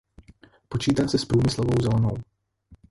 Počítá se s průmyslovou zónou.